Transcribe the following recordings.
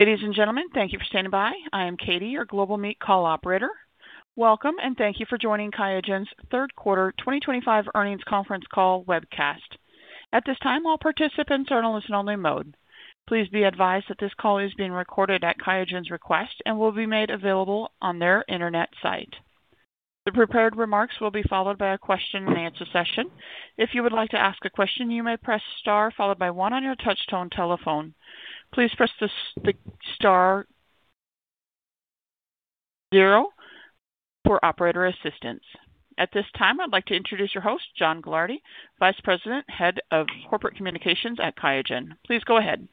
Ladies and gentlemen, thank you for standing by. I am Katie, your Global Meet call operator. Welcome, and thank you for joining QIAGEN's third quarter 2025 earnings conference call webcast. At this time, all participants are in a listen-only mode. Please be advised that this call is being recorded at QIAGEN's request and will be made available on their internet site. The prepared remarks will be followed by a question-and-answer session. If you would like to ask a question, you may press star followed by one on your touch-tone telephone. Please press the star zero for operator assistance. At this time, I'd like to introduce your host, Jon Gilardi, Vice President, Head of Corporate Communications at QIAGEN. Please go ahead.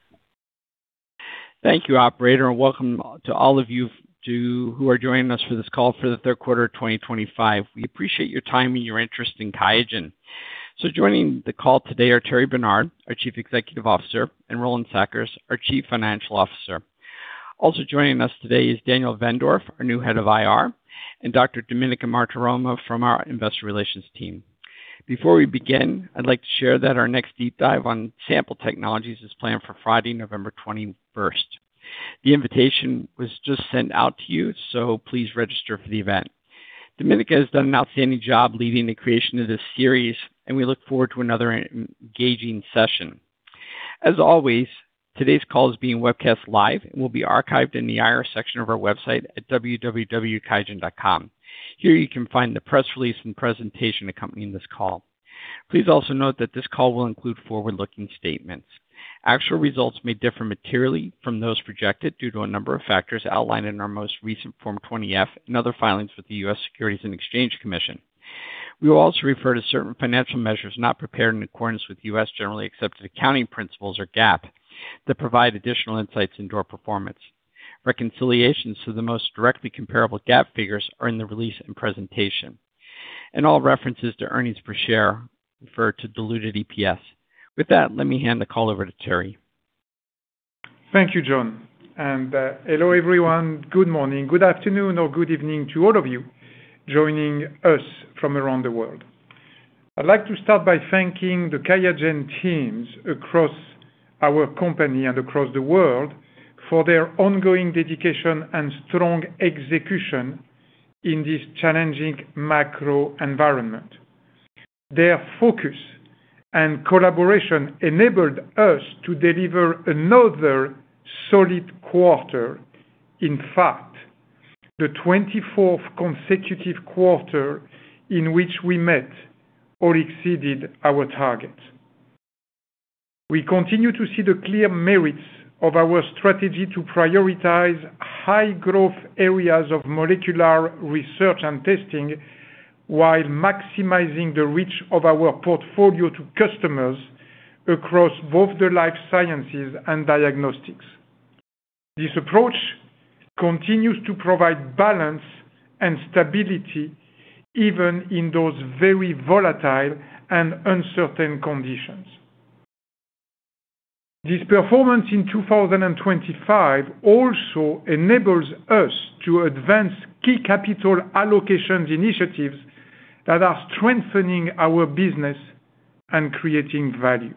Thank you, Operator, and welcome to all of you who are joining us for this call for the third quarter of 2025. We appreciate your time and your interest in QIAGEN. Joining the call today are Thierry Bernard, our Chief Executive Officer, and Roland Sackers, our Chief Financial Officer. Also joining us today is Daniel Wendorf, our new Head of Investor Relations, and Dr. Dominika Martoroma from our Investor Relations team. Before we begin, I'd like to share that our next deep dive on sample technologies is planned for Friday, November 21st. The invitation was just sent out to you, so please register for the event. Dominika has done an outstanding job leading the creation of this series, and we look forward to another engaging session. As always, today's call is being webcast live and will be archived in the IR section of our website at www.qiagen.com. Here you can find the press release and presentation accompanying this call. Please also note that this call will include forward-looking statements. Actual results may differ materially from those projected due to a number of factors outlined in our most recent Form 20F and other filings with the U.S. Securities and Exchange Commission. We will also refer to certain financial measures not prepared in accordance with U.S. generally accepted accounting principles or GAAP that provide additional insights into our performance. Reconciliations to the most directly comparable GAAP figures are in the release and presentation. All references to earnings per share refer to diluted EPS. With that, let me hand the call over to Thierry. Thank you, Jon. Hello, everyone. Good morning, good afternoon, or good evening to all of you joining us from around the world. I'd like to start by thanking the QIAGEN teams across our company and across the world for their ongoing dedication and strong execution in this challenging macro environment. Their focus and collaboration enabled us to deliver another solid quarter, in fact, the 24th consecutive quarter in which we met or exceeded our target. We continue to see the clear merits of our strategy to prioritize high-growth areas of molecular research and testing while maximizing the reach of our portfolio to customers across both the life sciences and diagnostics. This approach continues to provide balance and stability even in those very volatile and uncertain conditions. This performance in 2025 also enables us to advance key capital allocation initiatives that are strengthening our business and creating value.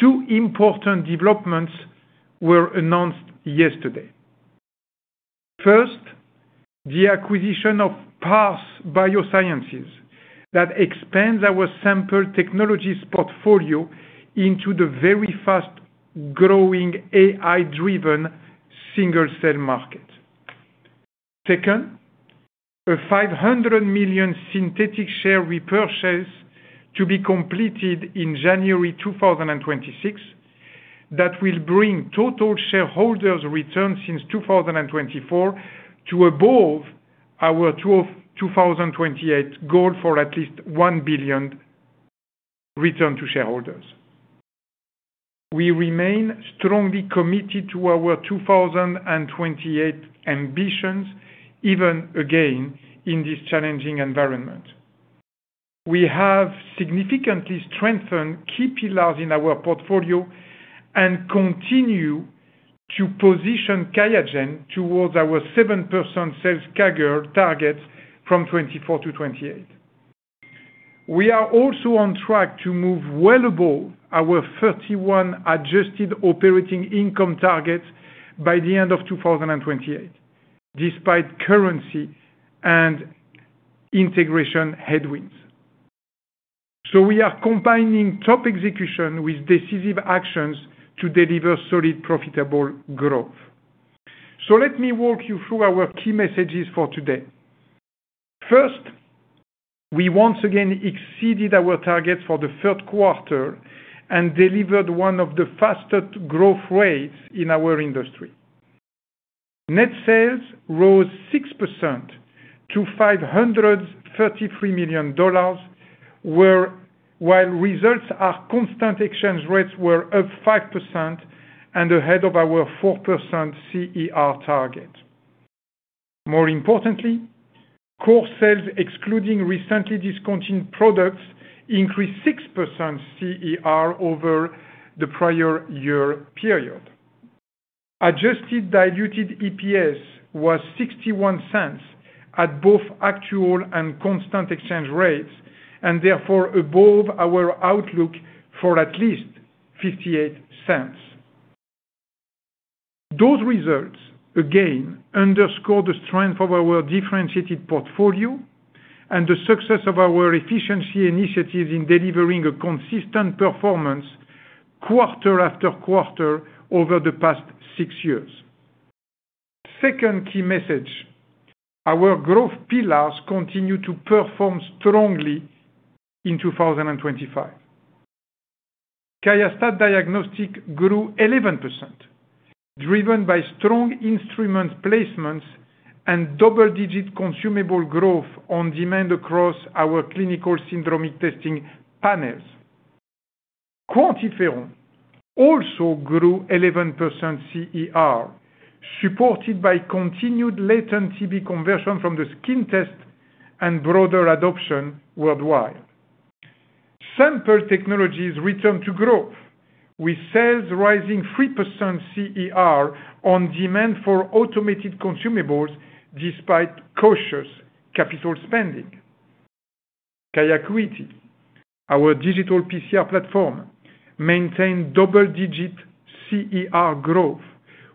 Two important developments were announced yesterday. First, the acquisition of Parse Biosciences that expands our sample technologies portfolio into the very fast-growing AI-driven single-cell market. Second, a $500 million synthetic share repurchase to be completed in January 2026. That will bring total shareholders' returns since 2024 to above our 2028 goal for at least $1 billion return to shareholders. We remain strongly committed to our 2028 ambitions, even again, in this challenging environment. We have significantly strengthened key pillars in our portfolio and continue to position QIAGEN towards our 7% sales CAGR targets from 2024-2028. We are also on track to move well above our 31% adjusted operating income targets by the end of 2028, despite currency and integration headwinds. We are combining top execution with decisive actions to deliver solid, profitable growth. Let me walk you through our key messages for today. First, we once again exceeded our targets for the third quarter and delivered one of the fastest growth rates in our industry. Net sales rose 6% to $533 million while results at constant exchange rates were up 5% and ahead of our 4% CER target. More importantly, core sales, excluding recently discontinued products, increased 6% CER over the prior year period. Adjusted diluted EPS was $0.61 at both actual and constant exchange rates and therefore above our outlook for at least $0.58. Those results, again, underscore the strength of our differentiated portfolio and the success of our efficiency initiatives in delivering a consistent performance quarter after quarter over the past six years. Second key message, our growth pillars continue to perform strongly. In 2025, QuantiFERON grew 11%, driven by strong instrument placements and double-digit consumable growth on demand across our clinical syndromic testing panels. QuantiFERON also grew 11% CER. Supported by continued latent TB conversion from the skin test and broader adoption worldwide. Sample technologies returned to growth, with sales rising 3% CER on demand for automated consumables despite cautious capital spending. QIAcuity, our digital PCR platform, maintained double-digit CER growth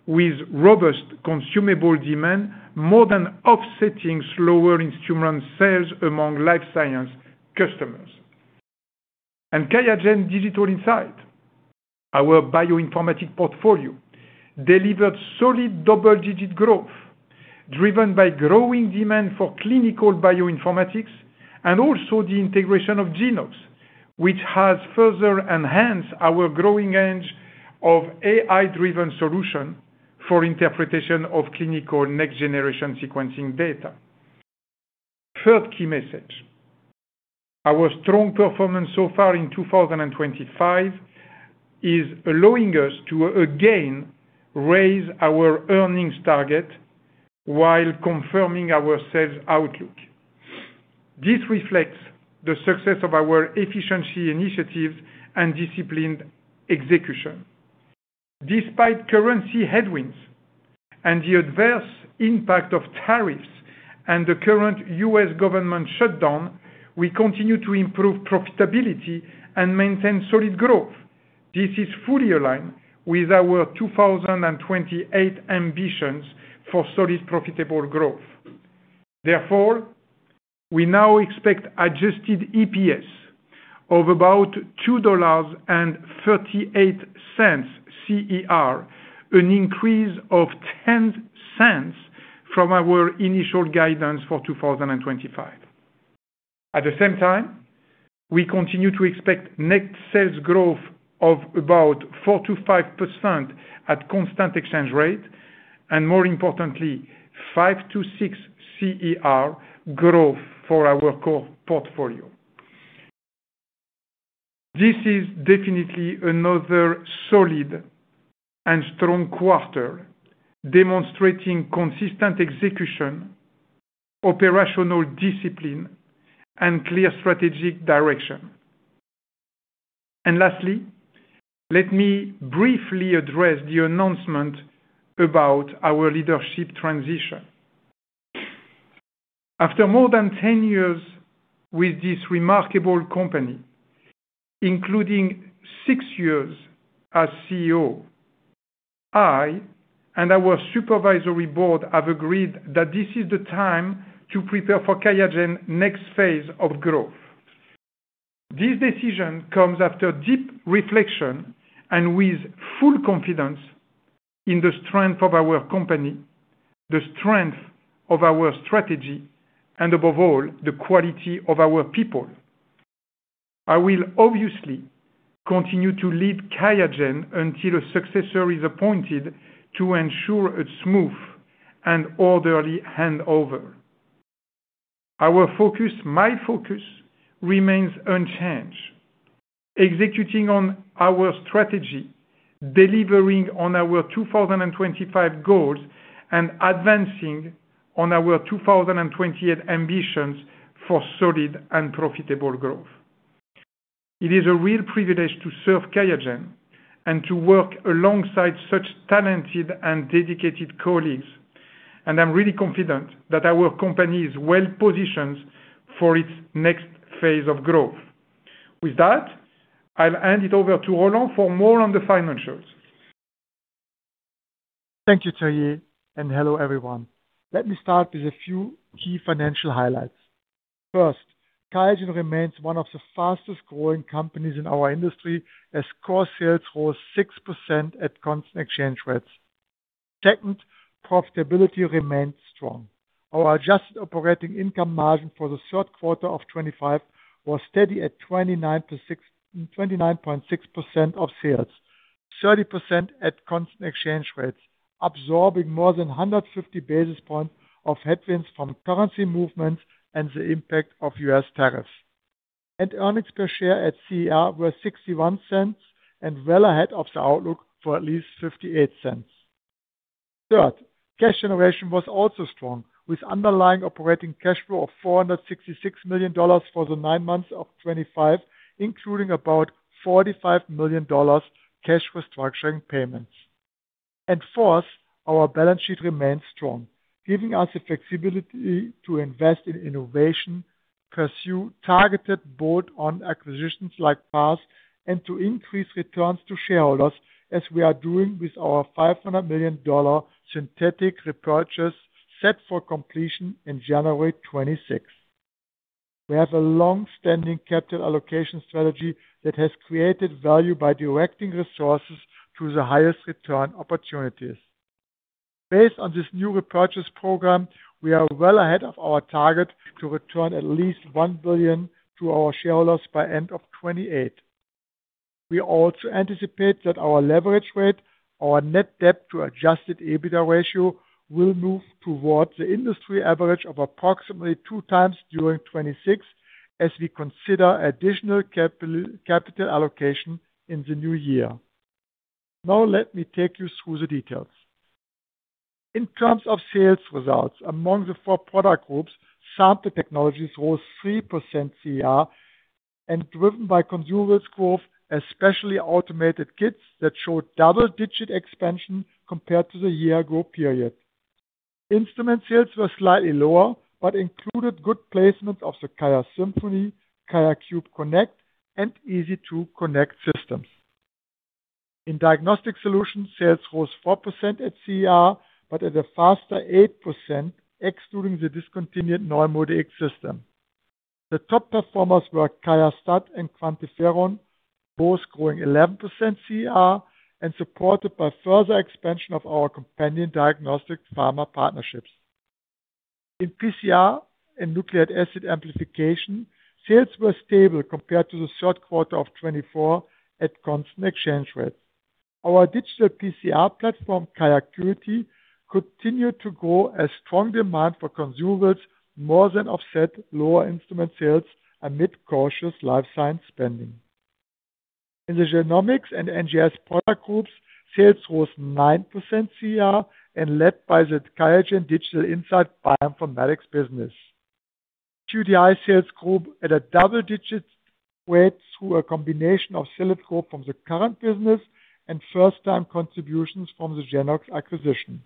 with robust consumable demand, more than offsetting slower instrument sales among life science customers. QIAGEN Digital Insights, our bioinformatics portfolio, delivered solid double-digit growth driven by growing demand for clinical bioinformatics and also the integration of Genox, which has further enhanced our growing range of AI-driven solutions for interpretation of clinical next-generation sequencing data. Third key message. Our strong performance so far in 2025 is allowing us to again raise our earnings target, while confirming our sales outlook. This reflects the success of our efficiency initiatives and disciplined execution. Despite currency headwinds and the adverse impact of tariffs and the current U.S. government shutdown, we continue to improve profitability and maintain solid growth. This is fully aligned with our 2028 ambitions for solid, profitable growth. Therefore, we now expect adjusted EPS of about $2.38 CER, an increase of $0.10 from our initial guidance for 2025. At the same time, we continue to expect net sales growth of about 4%-5% at constant exchange rate and, more importantly, 5%-6% CER growth for our core portfolio. This is definitely another solid and strong quarter demonstrating consistent execution, operational discipline, and clear strategic direction. Lastly, let me briefly address the announcement about our leadership transition. After more than 10 years with this remarkable company, including six years as CEO. I and our Supervisory Board have agreed that this is the time to prepare for QIAGEN's next phase of growth. This decision comes after deep reflection and with full confidence in the strength of our company, the strength of our strategy, and above all, the quality of our people. I will obviously continue to lead QIAGEN until a successor is appointed to ensure a smooth and orderly handover. Our focus, my focus, remains unchanged. Executing on our strategy, delivering on our 2025 goals, and advancing on our 2028 ambitions for solid and profitable growth. It is a real privilege to serve QIAGEN and to work alongside such talented and dedicated colleagues, and I'm really confident that our company is well-positioned for its next phase of growth. With that, I'll hand it over to Roland for more on the financials. Thank you, Thierry, and hello, everyone. Let me start with a few key financial highlights. First, QIAGEN remains one of the fastest-growing companies in our industry as core sales rose 6% at constant exchange rates. Second, profitability remained strong. Our adjusted operating income margin for the third quarter of 2025 was steady at 29.6% of sales, 30% at constant exchange rates, absorbing more than 150 basis points of headwinds from currency movements and the impact of U.S. tariffs. Net earnings per share at CER were $0.61 and well ahead of the outlook for at least $0.58. Third, cash generation was also strong, with underlying operating cash flow of $466 million for the nine months of 2025, including about $45 million cash restructuring payments. Fourth, our balance sheet remained strong, giving us the flexibility to invest in innovation, pursue targeted board-owned acquisitions like Parse, and to increase returns to shareholders, as we are doing with our $500 million synthetic repurchase set for completion in January 2026. We have a long-standing capital allocation strategy that has created value by directing resources to the highest return opportunities. Based on this new repurchase program, we are well ahead of our target to return at least $1 billion to our shareholders by the end of 2028. We also anticipate that our leverage rate, our net debt-to-adjusted EBITDA ratio, will move towards the industry average of approximately 2x during 2026, as we consider additional capital allocation in the new year. Now, let me take you through the details. In terms of sales results, among the four product groups, sample technologies rose 3% CER and driven by consumables growth, especially automated kits that showed double-digit expansion compared to the year-ago period. Instrument sales were slightly lower but included good placements of the QIAsymphony Connect, QIAcube Connect, and EZ2 Connect systems. In diagnostic solutions, sales rose 4% at CER but at a faster 8%, excluding the discontinued Neumodic system. The top performers were QIAstat and QuantiFERON, both growing 11% CER and supported by further expansion of our companion diagnostic pharma partnerships. In PCR and nucleic acid amplification, sales were stable compared to the third quarter of 2024 at constant exchange rates. Our digital PCR platform, QIAcuity, continued to grow as strong demand for consumables more than offset lower instrument sales amid cautious life science spending. In the genomics and NGS product groups, sales rose 9% CER and led by the QIAGEN Digital Insights bioinformatics business. QDI sales grew at a double-digit rate through a combination of sales growth from the current business and first-time contributions from the Genox acquisition.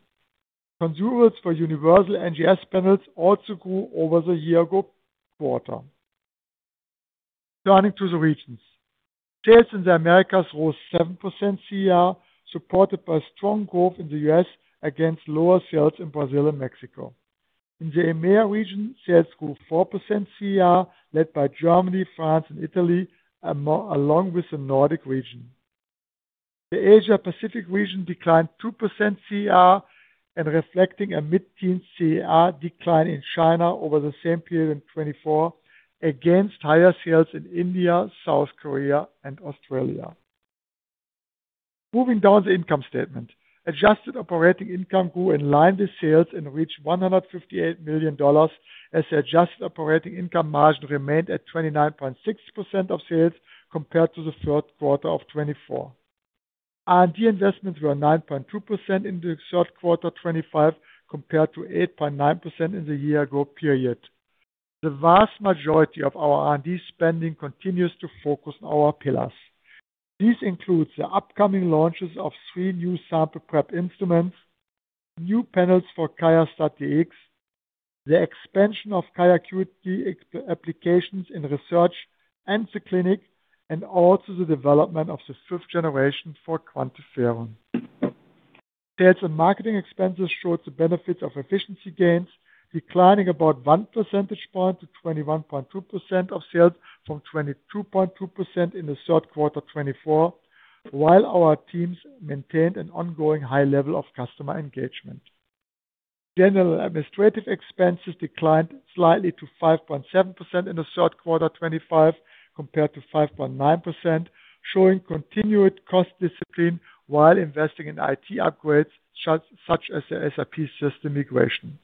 Consumables for universal NGS panels also grew over the year-ago quarter. Turning to the regions, sales in the Americas rose 7% CER, supported by strong growth in the U.S. against lower sales in Brazil and Mexico. In the EMEA region, sales grew 4% CER, led by Germany, France, and Italy, along with the Nordic region. The Asia-Pacific region declined 2% CER and reflecting a mid-teens CER decline in China over the same period in 2024 against higher sales in India, South Korea, and Australia. Moving down the income statement, adjusted operating income grew in line with sales and reached $158 million. As the adjusted operating income margin remained at 29.6% of sales compared to the third quarter of 2024. R&D investments were 9.2% in the third quarter of 2025 compared to 8.9% in the year-ago period. The vast majority of our R&D spending continues to focus on our pillars. This includes the upcoming launches of three new sample prep instruments, new panels for QIAstat-Dx, the expansion of QIAcuity applications in research and the clinic, and also the development of the fifth generation for QuantiFERON. Sales and marketing expenses showed the benefits of efficiency gains, declining about 1 percentage point to 21.2% of sales from 22.2% in the third quarter of 2024, while our teams maintained an ongoing high level of customer engagement. General administrative expenses declined slightly to 5.7% in the third quarter of 2025 compared to 5.9%, showing continued cost discipline while investing in IT upgrades such as the SAP system migration.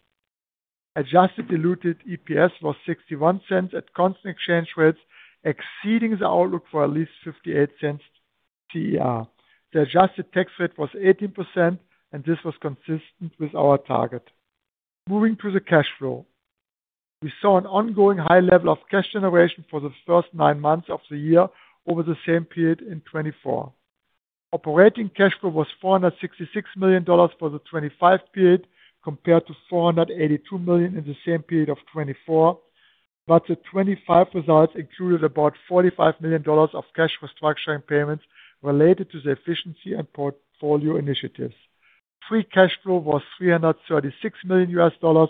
Adjusted diluted EPS was $0.61 at constant exchange rates, exceeding the outlook for at least $0.58 CER. The adjusted tax rate was 18%, and this was consistent with our target. Moving to the cash flow. We saw an ongoing high level of cash generation for the first nine months of the year over the same period in 2024. Operating cash flow was $466 million for the 2025 period compared to $482 million in the same period of 2024. The 2025 results included about $45 million of cash restructuring payments related to the efficiency and portfolio initiatives. Free cash flow was $336 million, which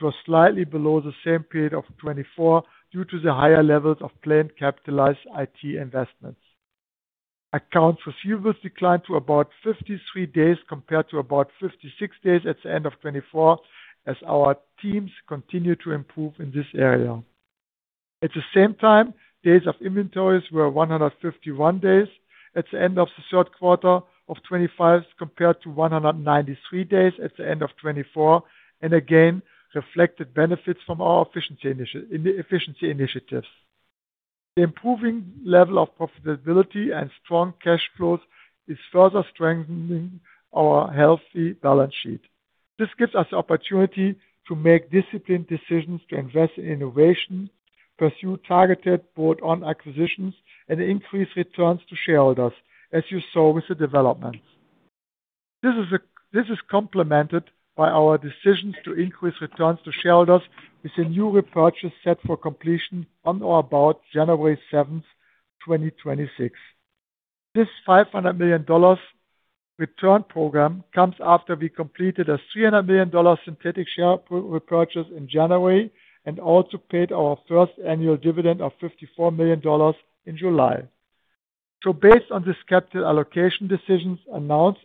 was slightly below the same period of 2024 due to the higher levels of planned capitalized IT investments. Accounts receivables declined to about 53 days compared to about 56 days at the end of 2024, as our teams continue to improve in this area. At the same time, days of inventories were 151 days at the end of the third quarter of 2025 compared to 193 days at the end of 2024, and again reflected benefits from our efficiency initiatives. The improving level of profitability and strong cash flows is further strengthening our healthy balance sheet. This gives us the opportunity to make disciplined decisions to invest in innovation, pursue targeted board-owned acquisitions, and increase returns to shareholders, as you saw with the developments. This is complemented by our decisions to increase returns to shareholders with a new repurchase set for completion on or about January 7th, 2026. This $500 million return program comes after we completed a $300 million synthetic share repurchase in January and also paid our first annual dividend of $54 million in July. Based on these capital allocation decisions announced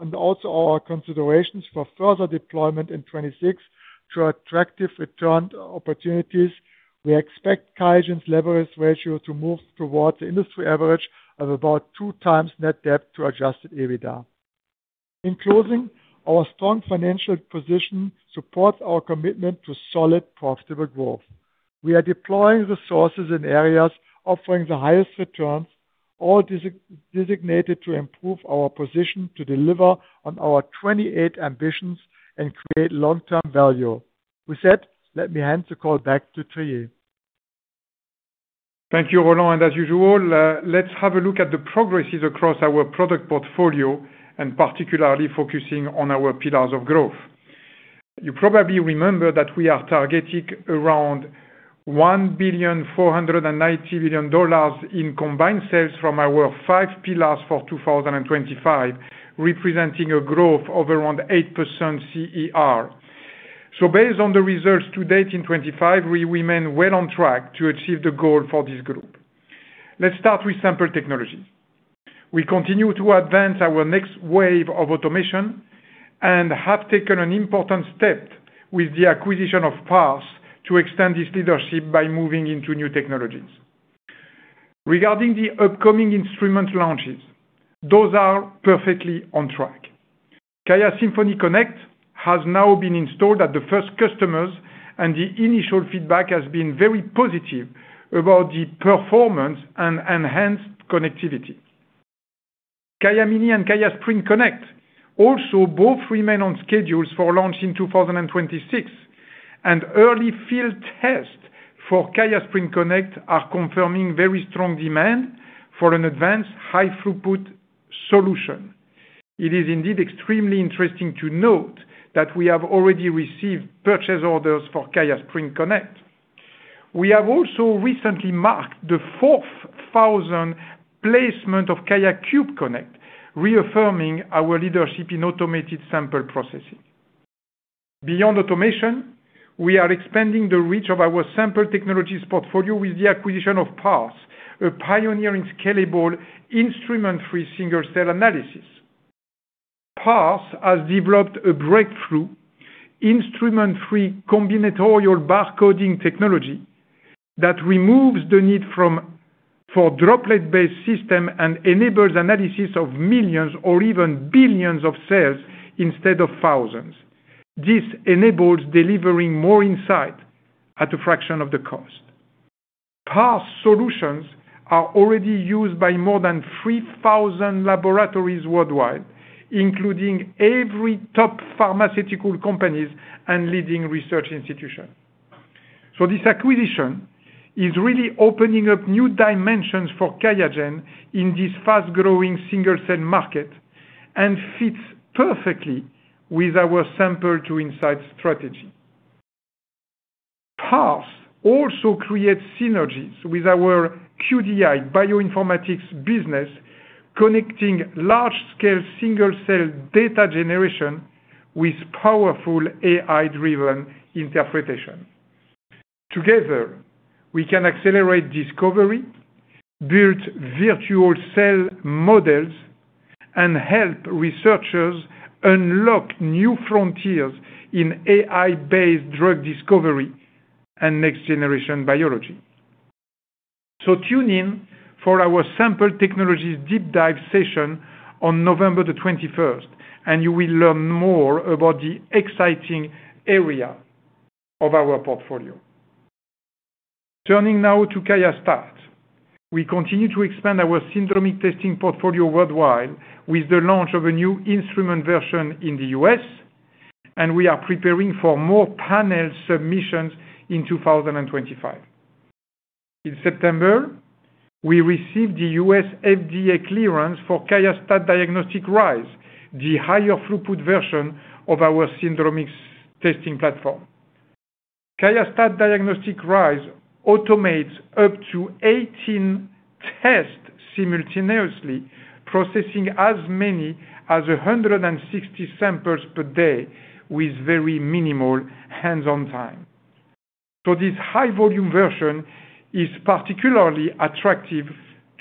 and also our considerations for further deployment in 2026 to attractive return opportunities, we expect QIAGEN's leverage ratio to move towards the industry average of about two times net debt-to-adjusted EBITDA. In closing, our strong financial position supports our commitment to solid, profitable growth. We are deploying resources in areas offering the highest returns, all designated to improve our position to deliver on our 2028 ambitions and create long-term value. With that, let me hand the call back to Thierry. Thank you, Roland. As usual, let's have a look at the progresses across our product portfolio, and particularly focusing on our pillars of growth. You probably remember that we are targeting around $1.49 billion in combined sales from our five pillars for 2025, representing a growth of around 8% CER. Based on the results to date in 2025, we remain well on track to achieve the goal for this group. Let's start with sample technologies. We continue to advance our next wave of automation and have taken an important step with the acquisition of Parse to extend this leadership by moving into new technologies. Regarding the upcoming instrument launches, those are perfectly on track. QIAsymphony Connect has now been installed at the first customers, and the initial feedback has been very positive about the performance and enhanced connectivity. QIAmini and QIAgility Connect also both remain on schedules for launch in 2026, and early field tests for QIAgility Connect are confirming very strong demand for an advanced high-throughput solution. It is indeed extremely interesting to note that we have already received purchase orders for QIAgility Connect. We have also recently marked the 4,000th placement of QIAcube Connect, reaffirming our leadership in automated sample processing. Beyond automation, we are expanding the reach of our sample technologies portfolio with the acquisition of Parse, a pioneering scalable instrument-free single-cell analysis. Parse has developed a breakthrough instrument-free combinatorial barcoding technology that removes the need for droplet-based systems and enables analysis of millions or even billions of cells instead of thousands. This enables delivering more insight at a fraction of the cost. Parse solutions are already used by more than 3,000 laboratories worldwide, including every top pharmaceutical company and leading research institution. This acquisition is really opening up new dimensions for QIAGEN in this fast-growing single-cell market and fits perfectly with our sample-to-insight strategy. Parse also creates synergies with our QDI bioinformatics business, connecting large-scale single-cell data generation with powerful AI-driven interpretation. Together, we can accelerate discovery, build virtual cell models, and help researchers unlock new frontiers in AI-based drug discovery and next-generation biology. Tune in for our sample technologies deep dive session on November the 21st, and you will learn more about this exciting area of our portfolio. Turning now to QIAstat, we continue to expand our syndromic testing portfolio worldwide with the launch of a new instrument version in the U.S., and we are preparing for more panel submissions in 2025. In September, we received the U.S. FDA clearance for QIAstat Diagnostic Rise, the higher throughput version of our syndromic testing platform. QIAstat Diagnostic Rise automates up to 18 tests simultaneously, processing as many as 160 samples per day with very minimal hands-on time. This high-volume version is particularly attractive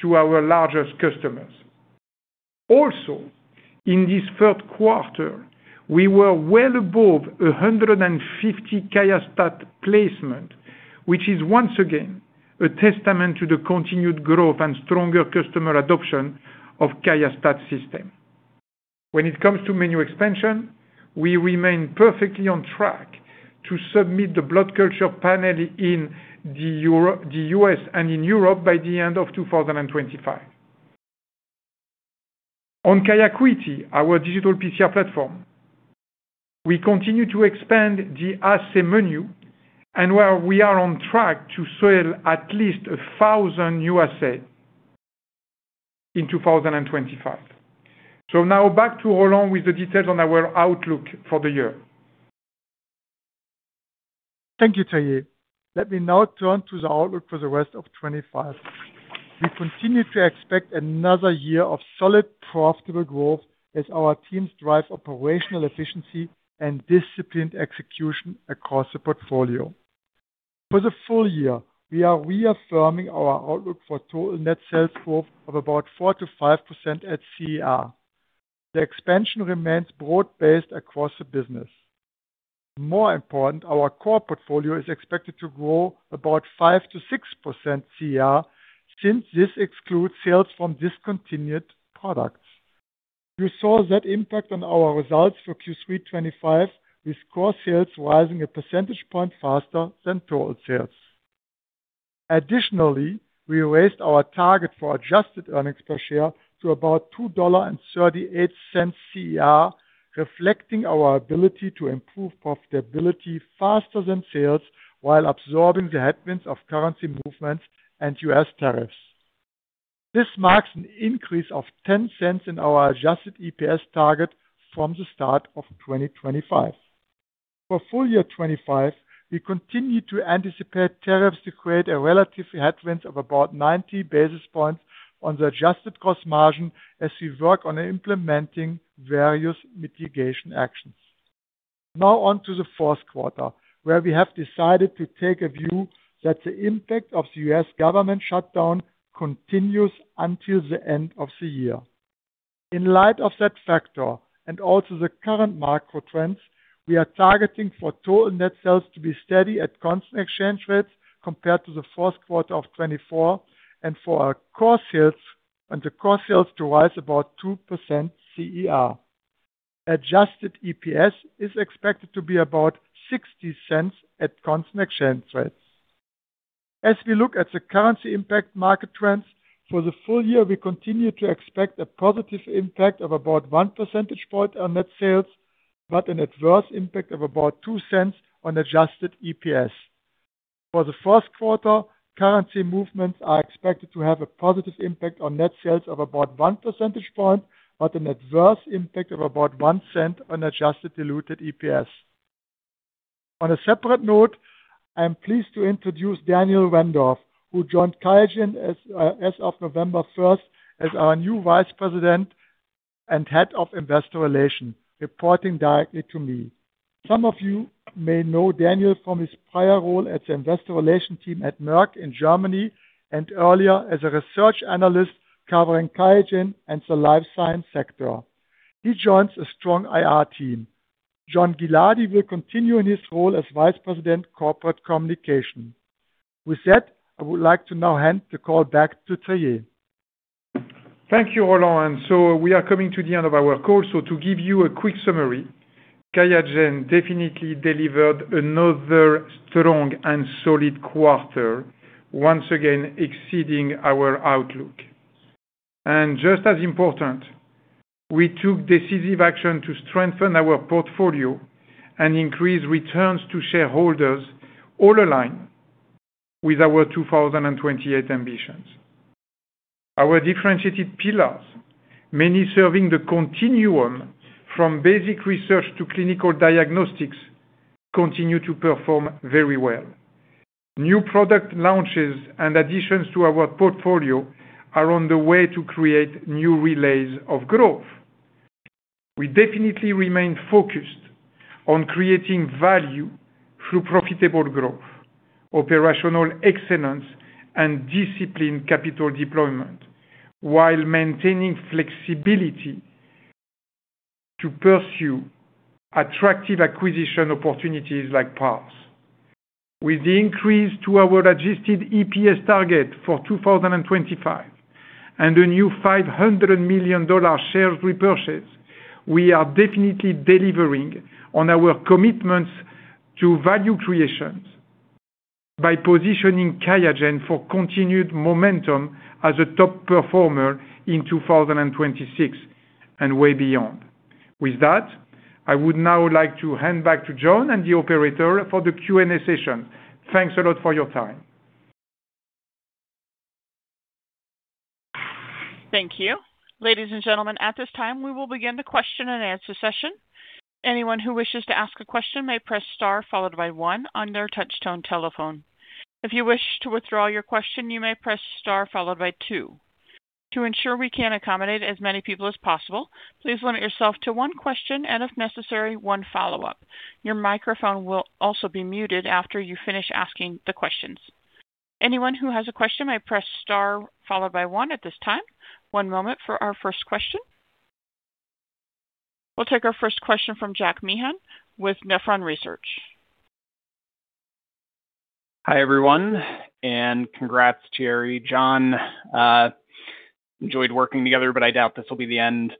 to our largest customers. Also, in this third quarter, we were well above 150 QIAstat placements, which is once again a testament to the continued growth and stronger customer adoption of QIAstat systems. When it comes to menu expansion, we remain perfectly on track to submit the blood culture panel in the U.S. and in Europe by the end of 2025. On QIAcuity, our digital PCR platform, we continue to expand the assay menu, and we are on track to sell at least 1,000 new assays in 2025. Now back to Roland with the details on our outlook for the year. Thank you, Thierry. Let me now turn to the outlook for the rest of 2025. We continue to expect another year of solid, profitable growth as our teams drive operational efficiency and disciplined execution across the portfolio. For the full year, we are reaffirming our outlook for total net sales growth of about 4%-5% at CER. The expansion remains broad-based across the business. More important, our core portfolio is expected to grow about 5%-6% CER since this excludes sales from discontinued products. You saw that impact on our results for Q3 2025, with core sales rising a percentage point faster than total sales. Additionally, we raised our target for adjusted earnings per share to about $2.38 CER, reflecting our ability to improve profitability faster than sales while absorbing the headwinds of currency movements and U.S. tariffs. This marks an increase of $0.10 in our adjusted EPS target from the start of 2025. For full year 2025, we continue to anticipate tariffs to create a relative headwind of about 90 basis points on the adjusted cost margin as we work on implementing various mitigation actions. Now on to the fourth quarter, where we have decided to take a view that the impact of the U.S. government shutdown continues until the end of the year. In light of that factor and also the current macro trends, we are targeting for total net sales to be steady at constant exchange rates compared to the fourth quarter of 2024 and for our core sales and the core sales to rise about 2% CER. Adjusted EPS is expected to be about $0.60 at constant exchange rates. As we look at the currency impact market trends for the full year, we continue to expect a positive impact of about 1 percentage point on net sales, but an adverse impact of about $0.02 on adjusted EPS. For the fourth quarter, currency movements are expected to have a positive impact on net sales of about 1 percentage point, but an adverse impact of about $0.01 on adjusted diluted EPS. On a separate note, I'm pleased to introduce Daniel Wendorf, who joined QIAGEN as of November 1 as our new Vice President and Head of Investor Relations, reporting directly to me. Some of you may know Daniel from his prior role at the Investor Relations team at Merck in Germany and earlier as a research analyst covering QIAGEN and the life science sector. He joins a strong IR team. Jon Gilardi will continue in his role as Vice President Corporate Communication. With that, I would like to now hand the call back to Thierry. Thank you, Roland. We are coming to the end of our call. To give you a quick summary, QIAGEN definitely delivered another strong and solid quarter, once again exceeding our outlook. Just as important, we took decisive action to strengthen our portfolio and increase returns to shareholders all aligned with our 2028 ambitions. Our differentiated pillars, many serving the continuum from basic research to clinical diagnostics, continue to perform very well. New product launches and additions to our portfolio are on the way to create new relays of growth. We definitely remain focused on creating value through profitable growth, operational excellence, and disciplined capital deployment, while maintaining flexibility to pursue attractive acquisition opportunities like Parse. With the increase to our adjusted EPS target for 2025 and a new $500 million shares repurchase, we are definitely delivering on our commitments to value creation by positioning QIAGEN for continued momentum as a top performer in 2026 and way beyond. With that, I would now like to hand back to Jon and the operator for the Q&A session. Thanks a lot for your time. Thank you. Ladies and gentlemen, at this time, we will begin the question and answer session. Anyone who wishes to ask a question may press star followed by one on their touchstone telephone. If you wish to withdraw your question, you may press star followed by two. To ensure we can accommodate as many people as possible, please limit yourself to one question and, if necessary, one follow-up. Your microphone will also be muted after you finish asking the questions. Anyone who has a question may press star followed by one at this time. One moment for our first question. We'll take our first question from Jack Meehan with Nephron Research. Hi everyone, and congrats, Thierry/. Jon, enjoyed working together, but I doubt this will be the end.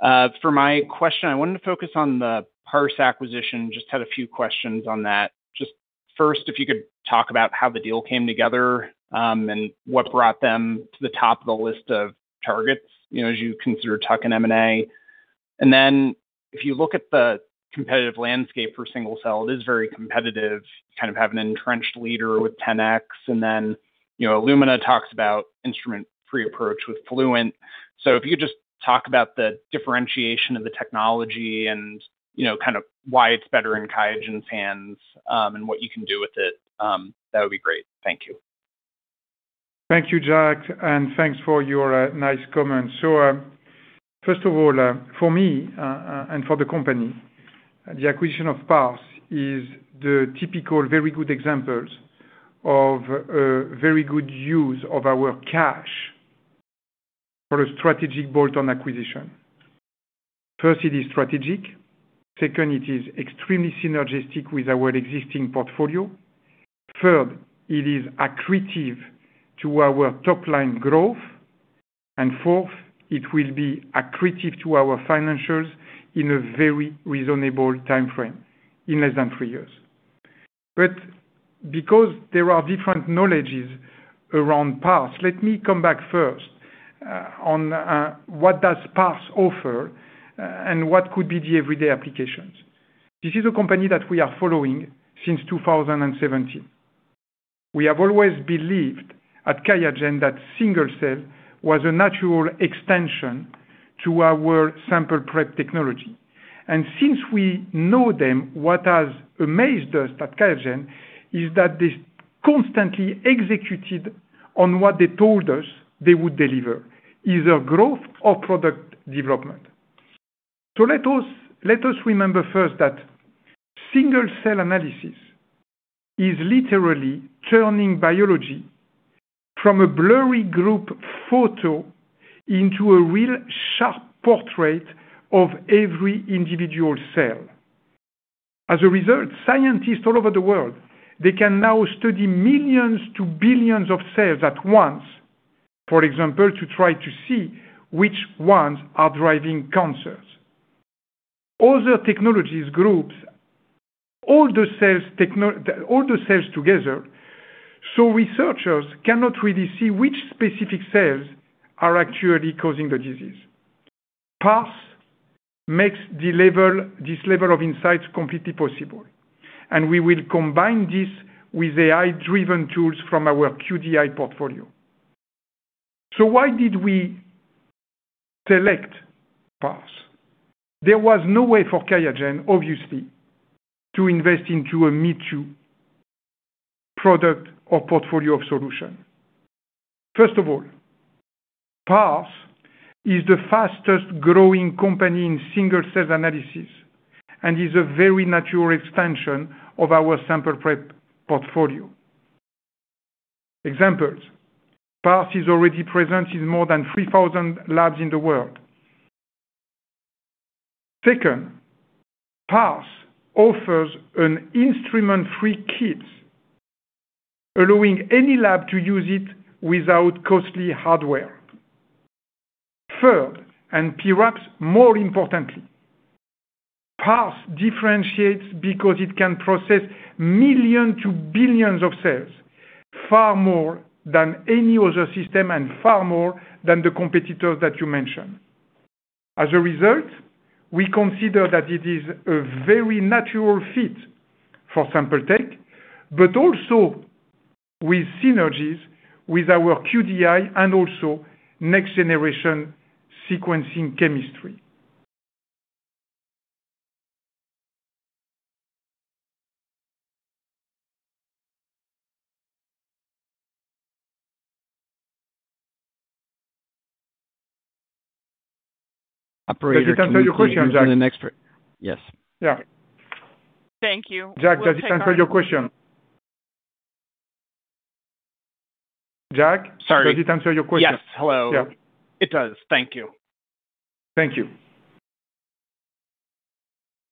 For my question, I wanted to focus on the Parse acquisition. Just had a few questions on that. Just first, if you could talk about how the deal came together. What brought them to the top of the list of targets, you know, as you consider tuck and M&A. If you look at the competitive landscape for single-cell, it is very competitive. You kind of have an entrenched leader with 10x, and then Illumina talks about instrument-free approach with Fluent. If you could just talk about the differentiation of the technology and, you know, kind of why it's better in QIAGEN's hands and what you can do with it, that would be great. Thank you. Thank you, Jack, and thanks for your nice comments. First of all, for me and for the company, the acquisition of Parse is the typical very good example of a very good use of our cash for a strategic bolt-on acquisition. First, it is strategic. Second, it is extremely synergistic with our existing portfolio. Third, it is accretive to our top-line growth. Fourth, it will be accretive to our financials in a very reasonable time frame in less than three years. Because there are different knowledges around Parse, let me come back first. On what does Parse offer and what could be the everyday applications. This is a company that we are following since 2017. We have always believed at QIAGEN that single-cell was a natural extension to our sample prep technology. Since we know them, what has amazed us at QIAGEN is that they constantly executed on what they told us they would deliver, either growth or product development. Let us remember first that single-cell analysis is literally turning biology from a blurry group photo into a real sharp portrait of every individual cell. As a result, scientists all over the world, they can now study millions to billions of cells at once, for example, to try to see which ones are driving cancers. All the technologies group all the cells together. So researchers cannot really see which specific cells are actually causing the disease. Parse makes this level of insights completely possible, and we will combine this with AI-driven tools from our QDI portfolio. Why did we select Parse? There was no way for QIAGEN, obviously, to invest into a me-too product or portfolio of solution. First of all, Parse is the fastest-growing company in single-cell analysis and is a very natural extension of our sample prep portfolio. Examples, Parse is already present in more than 3,000 labs in the world. Second, Parse offers an instrument-free kit, allowing any lab to use it without costly hardware. Third, and perhaps more importantly. Parse differentiates because it can process millions to billions of cells, far more than any other system and far more than the competitors that you mentioned. As a result, we consider that it is a very natural fit for SampleTech, but also with synergies with our QDI and also next-generation sequencing chemistry. Does it answer your question, Jack? Yes. Yeah. Thank you. Jack, does it answer your question? Jack? Sorry. Does it answer your question? Yes. Hello. Yeah. It does. Thank you. Thank you.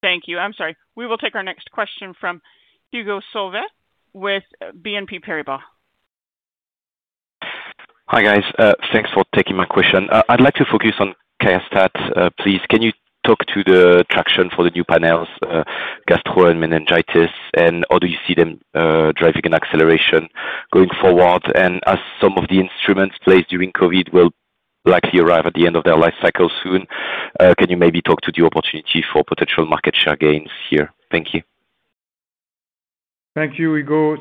Thank you. I'm sorry. We will take our next question from Hugo Solvet with BNP Paribas. Hi, guys. Thanks for taking my question. I'd like to focus on QIAstat, please. Can you talk to the traction for the new panels, gastro and meningitis, and how do you see them driving an acceleration going forward? As some of the instruments placed during COVID will likely arrive at the end of their life cycle soon, can you maybe talk to the opportunity for potential market share gains here? Thank you Thank you, Hugo.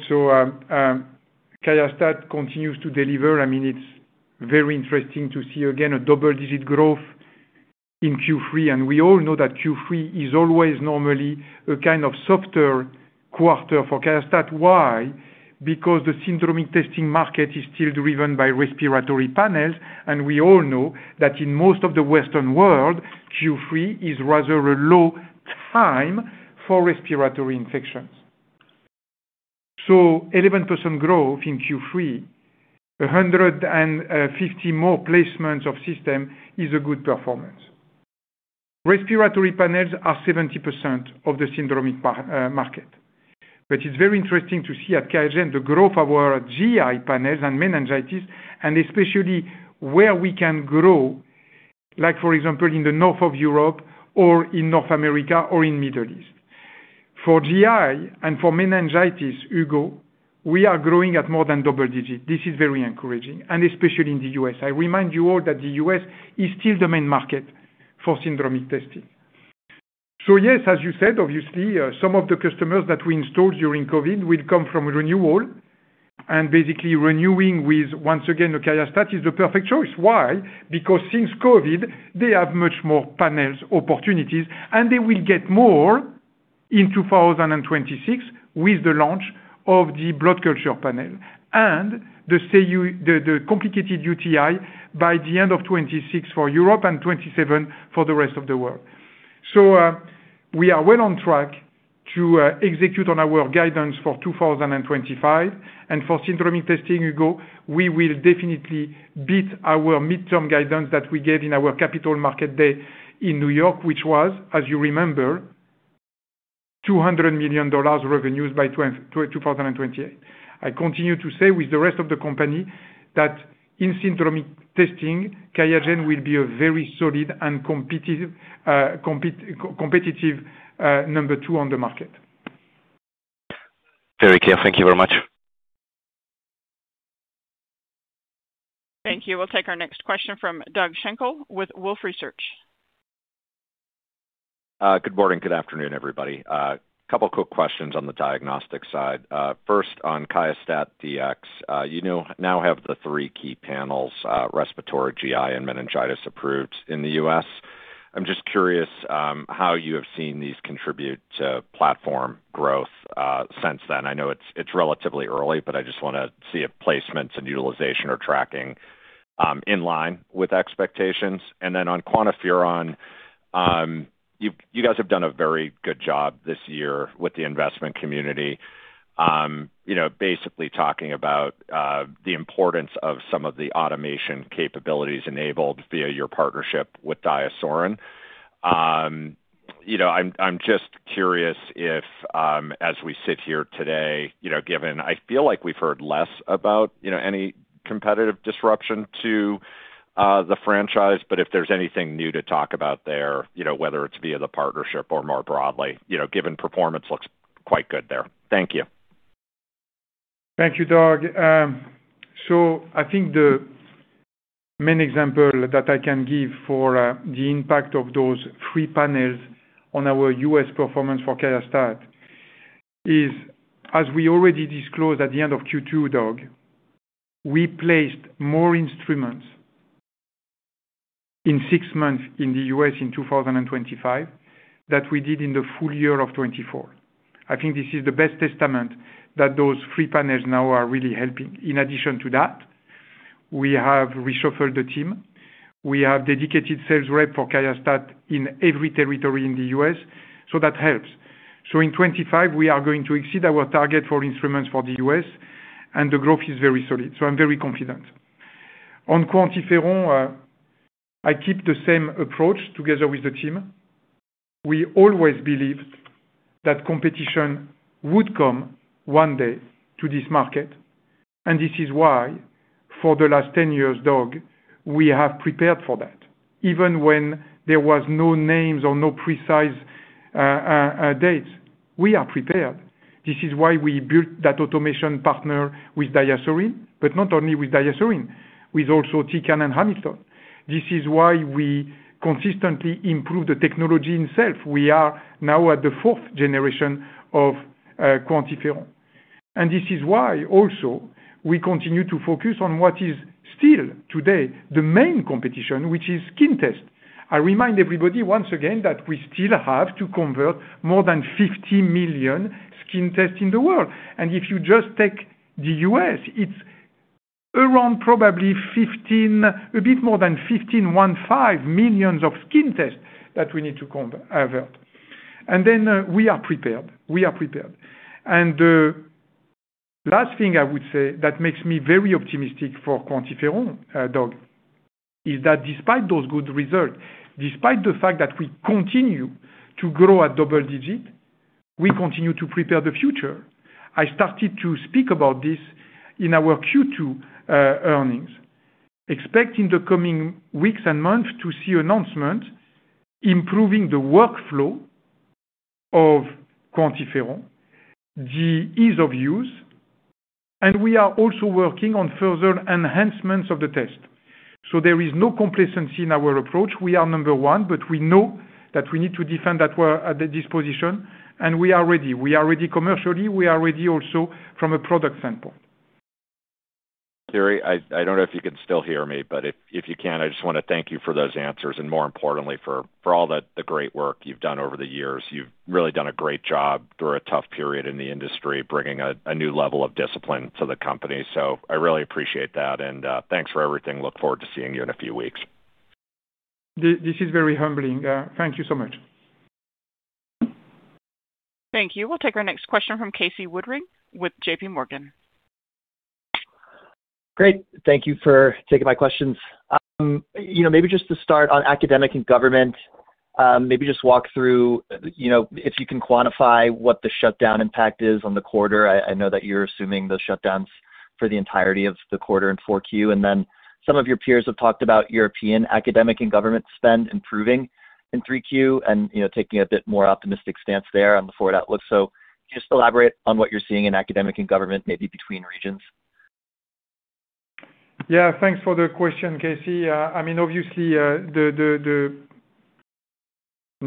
QIAstat continues to deliver. I mean, it's very interesting to see again a double-digit growth in Q3, and we all know that Q3 is always normally a kind of softer quarter for QIAstat. Why? Because the syndromic testing market is still driven by respiratory panels, and we all know that in most of the Western world, Q3 is rather a low time for respiratory infections. 11% growth in Q3. 150 more placements of system is a good performance. Respiratory panels are 70% of the syndromic market. It's very interesting to see at QIAGEN the growth of our GI panels and meningitis, and especially where we can grow. Like, for example, in the north of Europe or in North America or in the Middle East. For GI and for meningitis, Hugo, we are growing at more than double-digits. This is very encouraging, and especially in the U.S. I remind you all that the U.S. is still the main market for syndromic testing. Yes, as you said, obviously, some of the customers that we installed during COVID will come from renewal. Basically, renewing with, once again, a QIAstat is the perfect choice. Why? Because since COVID, they have much more panel opportunities, and they will get more. In 2026 with the launch of the blood culture panel and the complicated UTI by the end of 2026 for Europe and 2027 for the rest of the world. We are well on track to execute on our guidance for 2025. For syndromic testing, Hugo, we will definitely beat our midterm guidance that we gave in our capital market day in New York, which was, as you remember, $200 million revenues by 2028. I continue to say with the rest of the company that in syndromic testing, QIAGEN will be a very solid and competitive number two on the market Very clear. Thank you very much. Thank you. We'll take our next question from Doug Schenkel with Wolfe Research. Good morning. Good afternoon, everybody. A couple of quick questions on the diagnostic side. First, on QIAstat-Dx, you now have the three key panels, respiratory, GI, and meningitis, approved in the U.S. I'm just curious how you have seen these contribute to platform growth since then. I know it's relatively early, but I just want to see if placements and utilization are tracking in line with expectations. On QuantiFERON, you guys have done a very good job this year with the investment community, basically talking about the importance of some of the automation capabilities enabled via your partnership with DiaSorin. I'm just curious if, as we sit here today, given I feel like we've heard less about any competitive disruption to the franchise, if there's anything new to talk about there, whether it's via the partnership or more broadly, given performance looks quite good there. Thank you. Thank you, Doug. I think the main example that I can give for the impact of those three panels on our U.S. performance for QIAstat is, as we already disclosed at the end of Q2, Doug, we placed more instruments in six months in the U.S. in 2025 than we did in the full year of 2024. I think this is the best testament that those three panels now are really helping. In addition to that, we have reshuffled the team. We have dedicated sales reps for QIAstat in every territory in the U.S., so that helps. In 2025, we are going to exceed our target for instruments for the U.S., and the growth is very solid. I am very confident. On QuantiFERON, I keep the same approach together with the team. We always believed that competition would come one day to this market. This is why, for the last 10 years, Doug, we have prepared for that. Even when there were no names or no precise dates, we are prepared. This is why we built that automation partner with DiaSorin, but not only with DiaSorin, also with Tecan and Hamilton. This is why we consistently improved the technology itself. We are now at the fourth generation of QuantiFERON. This is why we continue to focus on what is still today the main competition, which is skin tests. I remind everybody once again that we still have to convert more than 50 million skin tests in the world. If you just take the U.S., it is around probably 15, a bit more than 15, 15 million of skin tests that we need to convert. We are prepared. The last thing I would say that makes me very optimistic for QuantiFERON, Doug, is that despite those good results, despite the fact that we continue to grow at double-digit, we continue to prepare the future. I started to speak about this in our Q2 earnings, expecting the coming weeks and months to see announcements improving the workflow of QuantiFERON. The ease of use, and we are also working on further enhancements of the test. There is no complacency in our approach. We are number one, but we know that we need to defend that disposition, and we are ready. We are ready commercially. We are ready also from a product standpoint. Thank you. Thierry, I do not know if you can still hear me, but if you can, I just want to thank you for those answers and, more importantly, for all the great work you have done over the years. You have really done a great job through a tough period in the industry, bringing a new level of discipline to the company. I really appreciate that, and thanks for everything. I look forward to seeing you in a few weeks. This is very humbling. Thank you so much. Thank you. We'll take our next question from Casey Woodring with JPMorgan. Great. Thank you for taking my questions. Maybe just to start on academic and government. Maybe just walk through. If you can quantify what the shutdown impact is on the quarter. I know that you're assuming those shutdowns for the entirety of the quarter in Q4. And then some of your peers have talked about European academic and government spend improving in Q3 and taking a bit more optimistic stance there on the forward outlook. So can you just elaborate on what you're seeing in academic and government, maybe between regions? Yeah. Thanks for the question, Casey. I mean, obviously. The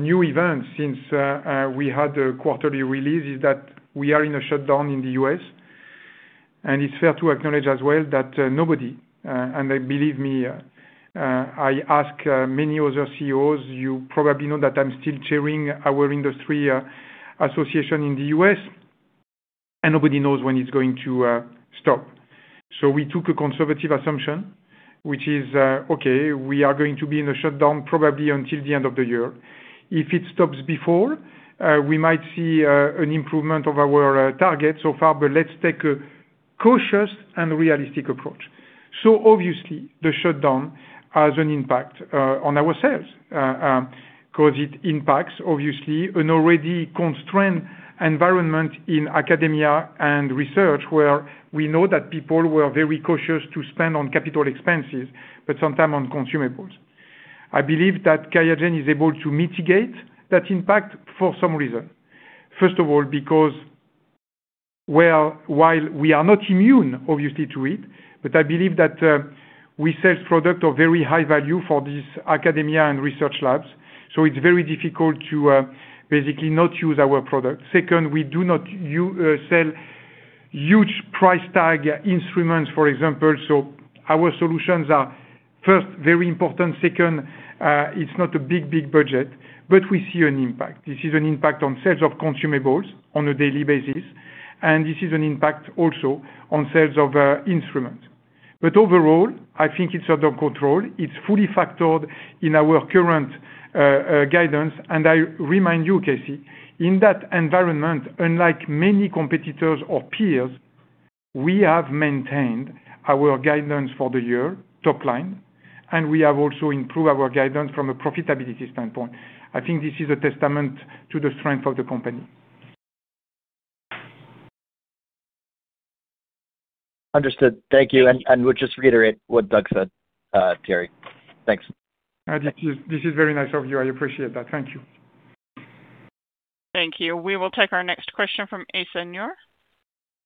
new event since we had the quarterly release is that we are in a shutdown in the U.S. It is fair to acknowledge as well that nobody—and believe me, I ask many other CEOs—you probably know that I am still chairing our industry association in the U.S. Nobody knows when it is going to stop. We took a conservative assumption, which is, okay, we are going to be in a shutdown probably until the end of the year. If it stops before, we might see an improvement of our target so far, but let us take a cautious and realistic approach. Obviously, the shutdown has an impact on our sales. It impacts, obviously, an already constrained environment in academia and research where we know that people were very cautious to spend on capital expenses, but sometimes on consumables. I believe that QIAGEN is able to mitigate that impact for some reason. First of all, because. While we are not immune, obviously, to it, I believe that. We sell products of very high value for these academia and research labs. It is very difficult to basically not use our product. Second, we do not sell huge price tag instruments, for example. Our solutions are, first, very important. Second, it is not a big, big budget, but we see an impact. This is an impact on sales of consumables on a daily basis, and this is an impact also on sales of instruments. Overall, I think it is under control. It is fully factored in our current guidance. I remind you, Casey, in that environment, unlike many competitors or peers, we have maintained our guidance for the year top line, and we have also improved our guidance from a profitability standpoint. I think this is a testament to the strength of the company. Understood. Thank you. We will just reiterate what Doug said, Thierry. Thanks. This is very nice of you. I appreciate that. Thank you. Thank you. We will take our next question from Aisyah Noor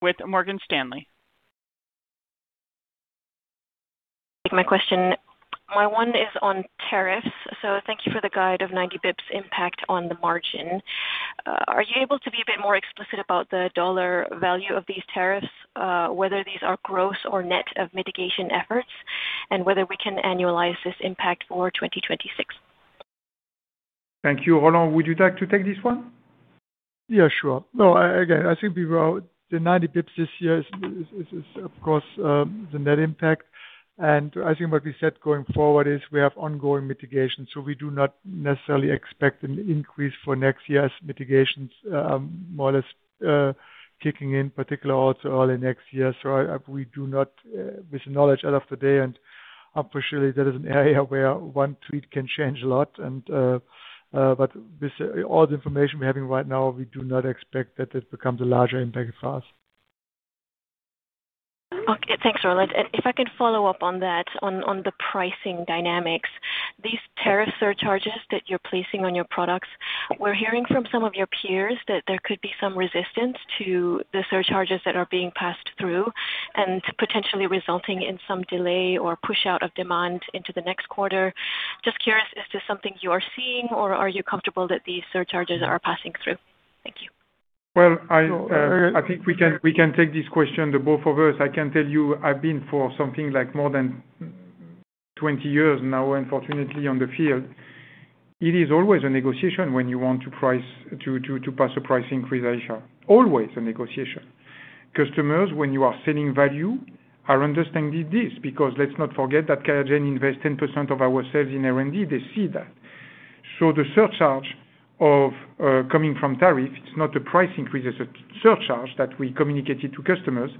with Morgan Stanley. My question. My one is on tariffs. Thank you for the guide of 90 basis points impact on the margin. Are you able to be a bit more explicit about the dollar value of these tariffs, whether these are gross or net of mitigation efforts, and whether we can annualize this impact for 2026? Thank you. Roland, would you like to take this one? Yeah, sure. No, again, I think the 90 basis points this year is, of course, the net impact. I think what we said going forward is we have ongoing mitigation. We do not necessarily expect an increase for next year's mitigations. More or less. Kicking in particular also early next year. We do not, with the knowledge out of today, and unfortunately, that is an area where one tweet can change a lot. With all the information we're having right now, we do not expect that it becomes a larger impact for us. Okay. Thanks, Roland. If I can follow up on that, on the pricing dynamics, these tariff surcharges that you're placing on your products, we're hearing from some of your peers that there could be some resistance to the surcharges that are being passed through and potentially resulting in some delay or push-out of demand into the next quarter. Just curious, is this something you are seeing, or are you comfortable that these surcharges are passing through? Thank you. I think we can take this question to both of us. I can tell you I've been for something like more than 20 years now, unfortunately, on the field. It is always a negotiation when you want to pass a price increase, Aisha. Always a negotiation. Customers, when you are selling value, are understanding this because let's not forget that QIAGEN invests 10% of our sales in R&D, they see that. The surcharge of coming from tariff, it's not a price increase. It's a surcharge that we communicated to customers.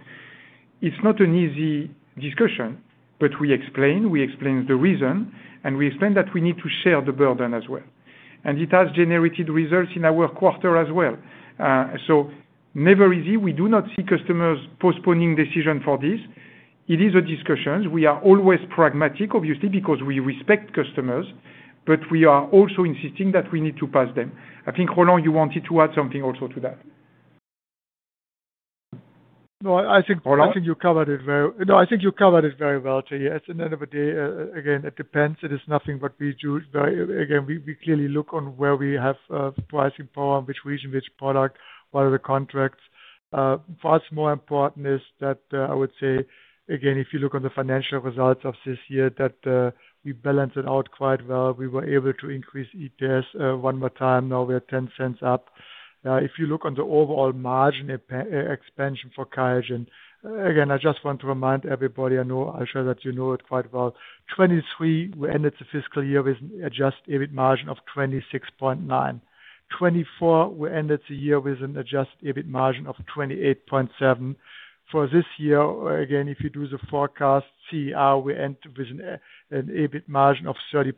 It's not an easy discussion, but we explain. We explain the reason, and we explain that we need to share the burden as well. It has generated results in our quarter as well. Never easy. We do not see customers postponing decisions for this. It is a discussion, we are always pragmatic, obviously, because we respect customers, but we are also insisting that we need to pass them. I think, Roland, you wanted to add something also to that. No, I think you covered it very well. Thierry, at the end of the day, again, it depends. It is nothing what we do. Again, we clearly look on where we have pricing power, which region, which product, what are the contracts. What's more important is that I would say, again, if you look on the financial results of this year, that we balanced it out quite well. We were able to increase EPS one more time. Now we are $0.10 up. If you look on the overall margin expansion for QIAGEN, again, I just want to remind everybody, I know Aisha that you know it quite well, 2023, we ended the fiscal year with an adjusted EBIT margin of 26.9% 2024, we ended the year with an adjusted EBIT margin of 28.7%. For this year, again, if you do the forecast, CER, we end with an EBIT margin of 30%.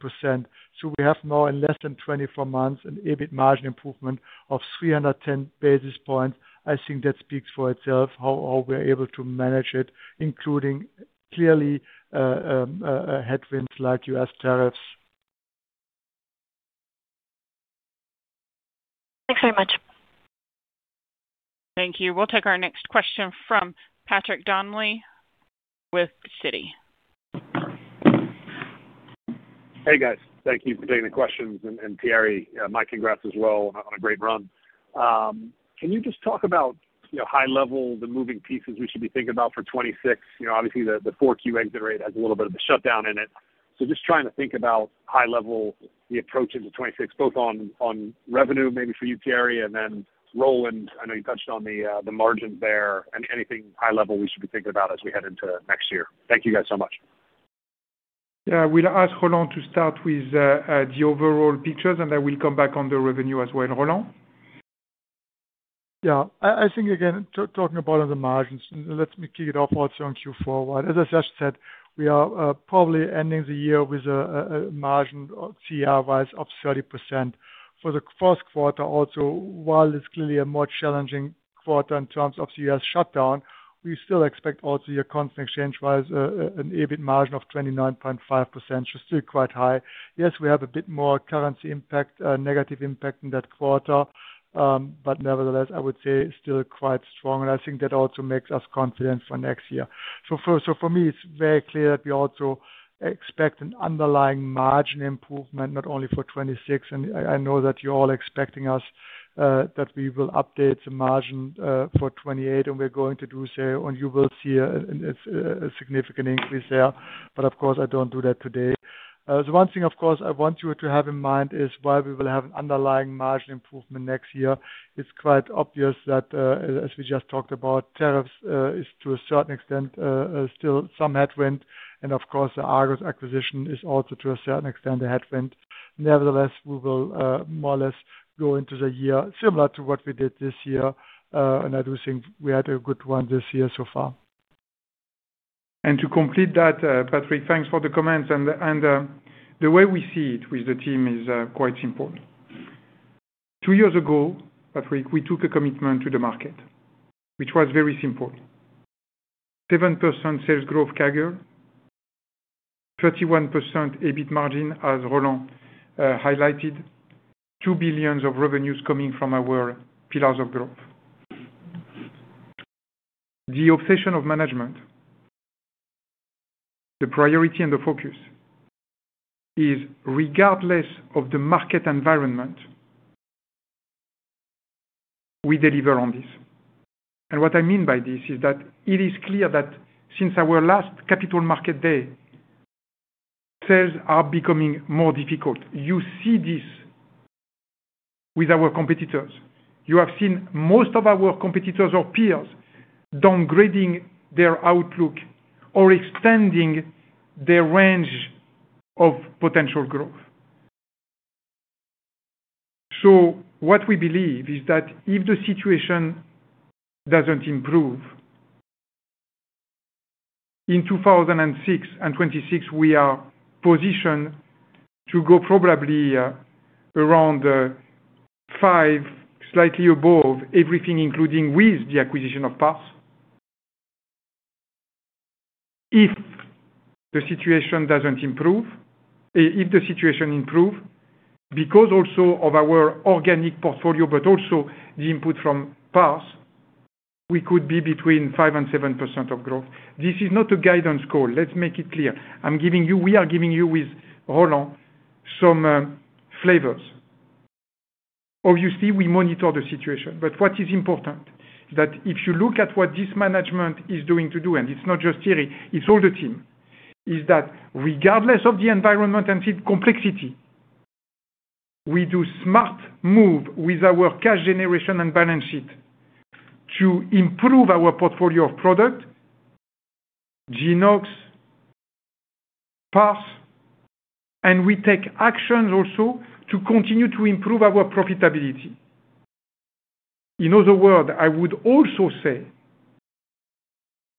So we have now, in less than 24 months, an EBIT margin improvement of 310 basis points. I think that speaks for itself, how we're able to manage it, including clearly headwinds like U.S. tariffs. Thanks very much. Thank you. We'll take our next question from Patrick Donnelly with Citi. Hey, guys. Thank you for taking the questions. And Thierry, my congrats as well on a great run. Can you just talk about, high-level, the moving pieces we should be thinking about for 2026? Obviously, the Q4 exit rate has a little bit of a shutdown in it. Just trying to think about, high-level, the approach into 2026, both on revenue, maybe for you, Thierry, and then Roland. I know you touched on the margins there. Anything high-level we should be thinking about as we head into next year. Thank you guys so much. Yeah. We'll ask Roland to start with the overall pictures, and I will come back on the revenue as well, Roland. Yeah. I think, again, talking about on the margins, let me kick it off also on Q4. As I just said, we are probably ending the year with a margin CER-wise of 30% for the first quarter. Also, while it's clearly a more challenging quarter in terms of the U.S. shutdown, we still expect also your company exchange-wise an EBIT margin of 29.5%, which is still quite high. Yes, we have a bit more currency impact, negative impact in that quarter. Nevertheless, I would say still quite strong. I think that also makes us confident for next year. For me, it's very clear that we also expect an underlying margin improvement, not only for 2026. I know that you're all expecting us, that we will update the margin for 2028, and we're going to do so. You will see a significant increase there. Of course, I don't do that today. The one thing I want you to have in mind is while we will have an underlying margin improvement next year, it's quite obvious that, as we just talked about, tariffs is, to a certain extent, still some headwind. Of course, the Argos acquisition is also, to a certain extent, a headwind. Nevertheless, we will more or less go into the year similar to what we did this year. I do think we had a good run this year so far. To complete that, Patrick, thanks for the comments. The way we see it with the team is quite simple. Two years ago, Patrick, we took a commitment to the market, which was very simple. 7% sales growth CAGR. 31% EBIT margin, as Roland highlighted. $2 billion of revenues coming from our pillars of growth. The obsession of management. The priority and the focus. Is, regardless of the market environment. We deliver on this. What I mean by this is that it is clear that since our last capital market day. Sales are becoming more difficult. You see this with our competitors. You have seen most of our competitors or peers downgrading their outlook or extending their range of potential growth. What we believe is that if the situation does not improve in 2026, we are positioned to go probably around 5%, slightly above everything, including with the acquisition of Parse. If the situation does not improve, if the situation improves, because also of our organic portfolio, but also the input from Parse, we could be between 5%-7% of growth. This is not a guidance call. Let's make it clear. We are giving you with Roland some flavors. Obviously, we monitor the situation. What is important is that if you look at what this management is doing to do, and it is not just Thierry, it is all the team, is that regardless of the environment and complexity. We do smart moves with our cash generation and balance sheet. To improve our portfolio of product. Genox. Parse. We take actions also to continue to improve our profitability. In other words, I would also say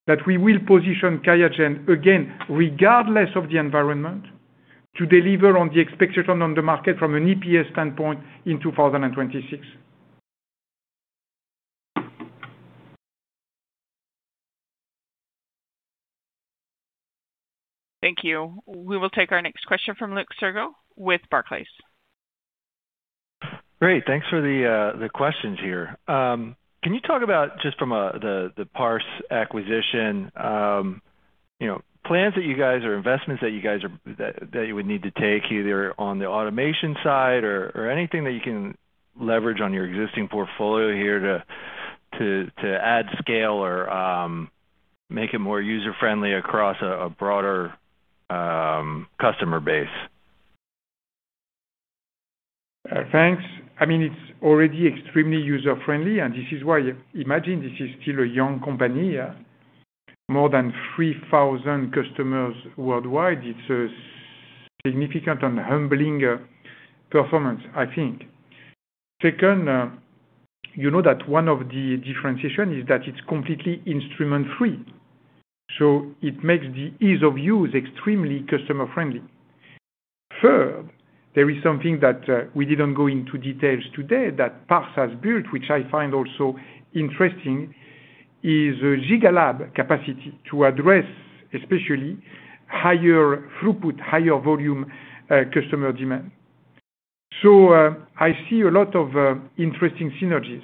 that we will position QIAGEN, again, regardless of the environment, to deliver on the expectation on the market from an EPS standpoint in 2026. Thank you. We will take our next question from Luke Sergott with Barclays. Great. Thanks for the questions here. Can you talk about just from the Parse acquisition, plans that you guys or investments that you guys would need to take either on the automation side or anything that you can leverage on your existing portfolio here to add scale or make it more user-friendly across a broader customer base? Thanks. I mean, it's already extremely user-friendly, and this is why imagine this is still a young company. More than 3,000 customers worldwide. It's a significant and humbling performance, I think. Second, you know that one of the differentiations is that it's completely instrument-free, so it makes the ease of use extremely customer-friendly. Third, there is something that we didn't go into details today that Parse has built, which I find also interesting is a GigaLab capacity to address, especially, higher throughput, higher volume customer demand. I see a lot of interesting synergies,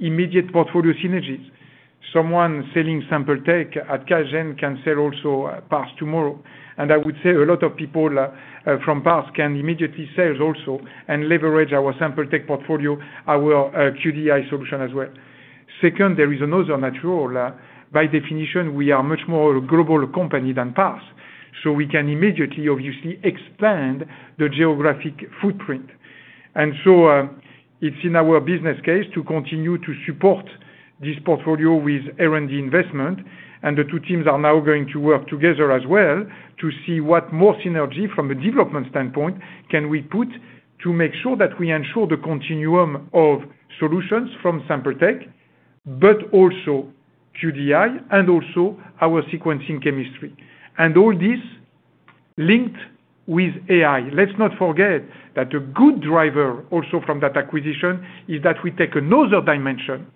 immediate portfolio synergies. Someone selling sample tech at QIAGEN can sell also Parse tomorrow. I would say a lot of people from Parse can immediately sell also and leverage our sample tech portfolio, our QDI solution as well. Second, there is another natural, by definition, we are much more of a global company than Parse. We can immediately, obviously, expand the geographic footprint. It is in our business case to continue to support this portfolio with R&D investment. The two teams are now going to work together as well to see what more synergy from a development standpoint can we put to make sure that we ensure the continuum of solutions from sample tech, but also QDI, and also our sequencing chemistry. All this linked with AI. Let's not forget that a good driver also from that acquisition is that we take another dimension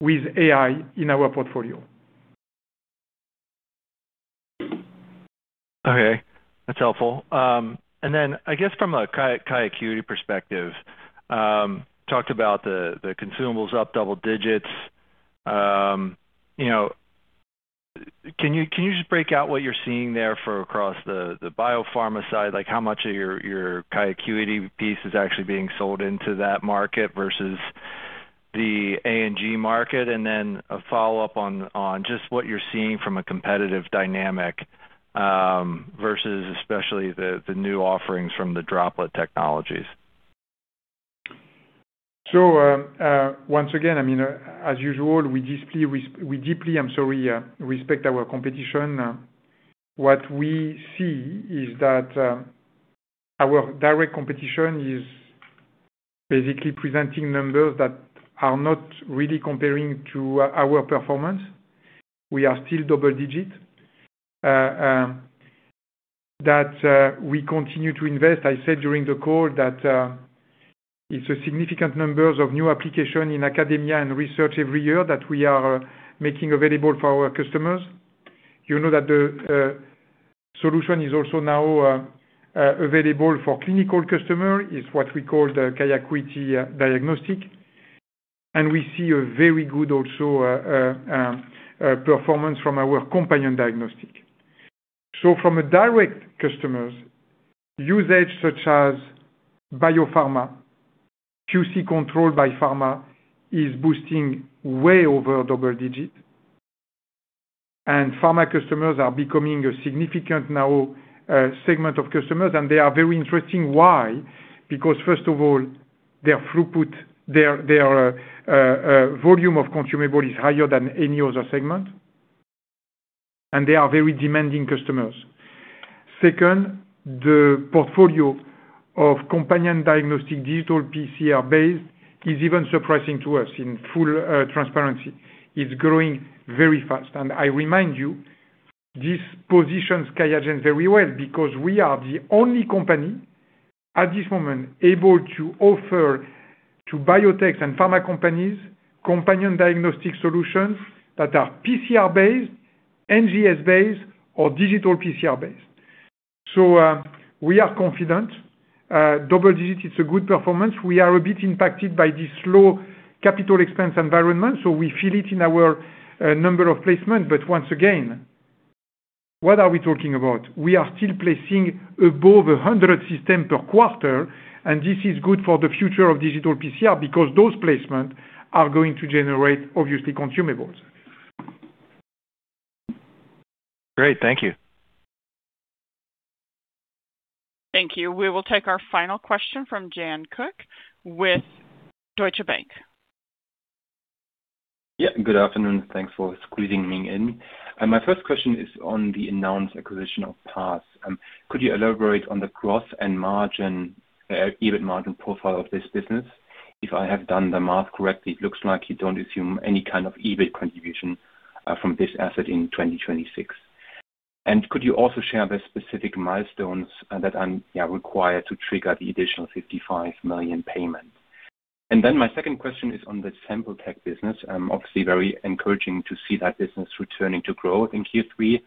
with AI in our portfolio. Okay. That's helpful. Then, I guess, from a QIAcuity perspective, talked about the consumables up double-digits. Can you just break out what you're seeing there across the biopharma side? How much of your QIAcuity piece is actually being sold into that market versus the A&G market? A follow-up on just what you're seeing from a competitive dynamic versus especially the new offerings from the droplet technologies. Once again, I mean, as usual, we deeply, I'm sorry, respect our competition. What we see is that our direct competition is basically presenting numbers that are not really comparing to our performance. We are still double-digit. We continue to invest. I said during the call that. It's a significant number of new applications in academia and research every year that we are making available for our customers. You know that the solution is also now available for clinical customers. It's what we call the QIAcuity diagnostic. And we see a very good also performance from our companion diagnostic. So from a direct customer, usage such as biopharma. QC controlled by pharma is boosting way over double-digits. And pharma customers are becoming a significant now segment of customers. And they are very interesting. Why? Because, first of all, their throughput. Their volume of consumables is higher than any other segment. And they are very demanding customers. Second, the portfolio of companion diagnostic digital PCR-based is even surprising to us in full transparency. It's growing very fast. And I remind you. This positions QIAGEN very well because we are the only company. At this moment able to offer to biotechs and pharma companies companion diagnostic solutions that are PCR-based, NGS-based, or digital PCR-based. So we are confident. Double-digit, it's a good performance. We are a bit impacted by the slow capital expense environment, so we feel it in our number of placements. Once again. What are we talking about? We are still placing above 100 systems per quarter, and this is good for the future of digital PCR because those placements are going to generate, obviously, consumables. Great. Thank you. Thank you. We will take our final question from Jan Koch from Deutsche Bank. Yeah. Good afternoon. Thanks for squeezing me in. My first question is on the announced acquisition of Parse. Could you elaborate on the gross and margin, EBIT margin profile of this business? If I have done the math correctly, it looks like you do not assume any kind of EBIT contribution from this asset in 2026. Could you also share the specific milestones that are required to trigger the additional $55 million payment? My second question is on the sample tech business. Obviously, very encouraging to see that business returning to growth in Q3.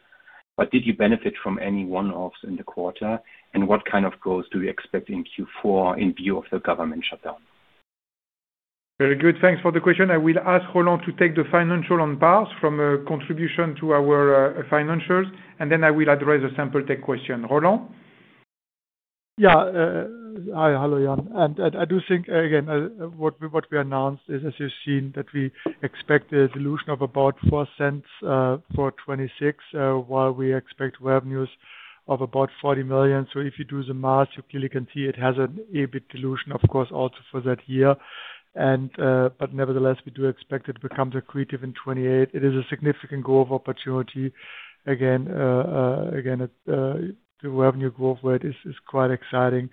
Did you benefit from any one-offs in the quarter? What kind of growth do you expect in Q4 in view of the government shutdown? Very good. Thanks for the question. I will ask Roland to take the financial on Parse from contribution to our financials, and then I will address the sample tech question. Roland? Yeah. Hi, hello, Jan. I do think, again, what we announced is, as you've seen, that we expect a dilution of about $0.40 for 2026, while we expect revenues of about $40 million. If you do the math, you clearly can see it has an EBIT dilution, of course, also for that year. Nevertheless, we do expect it becomes accretive in 2028. It is a significant growth opportunity. Again, the revenue growth rate is quite exciting.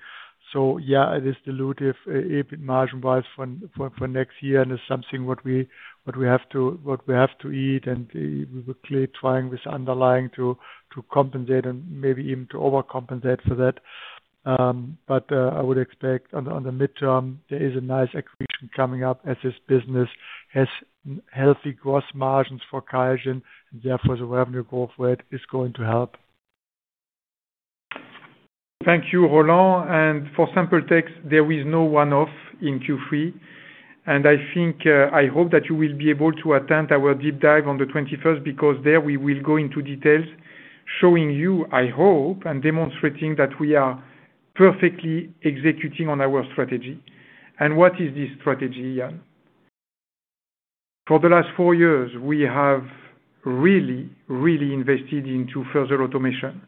Yeah, it is dilutive EBIT margin-wise for next year and is something we have to eat. We were clearly trying with the underlying to compensate and maybe even to overcompensate for that. I would expect on the midterm, there is a nice accretion coming up as this business has healthy gross margins for QIAGEN, and therefore the revenue growth rate is going to help. Thank you, Roland. For sample tech, there is no one-off in Q3. I hope that you will be able to attend our deep dive on the 21st because there we will go into details, showing you, I hope, and demonstrating that we are perfectly executing on our strategy. What is this strategy, Jan? For the last four years, we have really, really invested into further automation.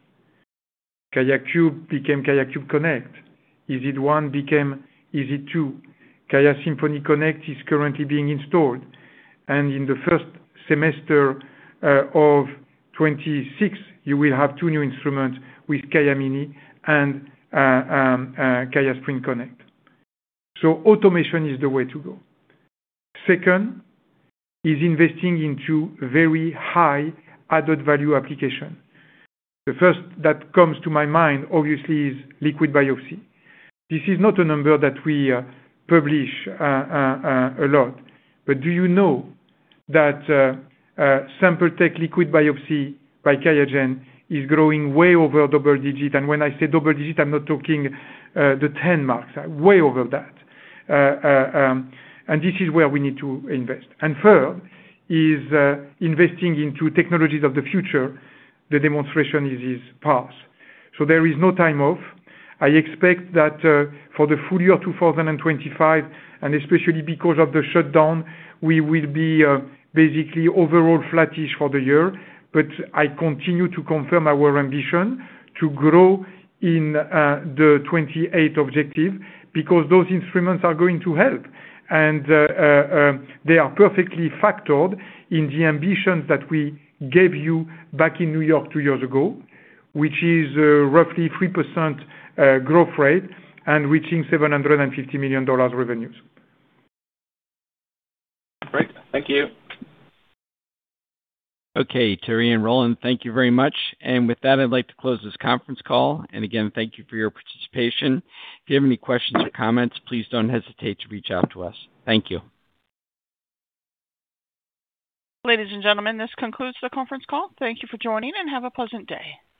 QIAcube became QIAcube Connect. EZ2 became EZ2 Connect. QIAsymphony Connect is currently being installed. In the first semester of 2026, you will have two new instruments with QIAmini and QIAsprint Connect. Automation is the way to go. Second is investing into very high added value application. The first that comes to my mind, obviously, is liquid biopsy. This is not a number that we publish a lot. But do you know that. Sample tech liquid biopsy by QIAGEN is growing way over double-digit. And when I say double-digit, I'm not talking the 10 marks, way over that. This is where we need to invest. Third is investing into technologies of the future. The demonstration is Parse. There is no time off. I expect that for the full year 2025, and especially because of the shutdown, we will be basically overall flattish for the year. I continue to confirm our ambition to grow in the 2028 objective because those instruments are going to help. They are perfectly factored in the ambitions that we gave you back in New York two years ago, which is roughly 3% growth rate and reaching $750 million revenues. Great. Thank you. Okay. Thierry and Roland, thank you very much. With that, I'd like to close this conference call. Again, thank you for your participation. If you have any questions or comments, please do not hesitate to reach out to us. Thank you. Ladies and gentlemen, this concludes the conference call. Thank you for joining, and have a pleasant day. Goodbye.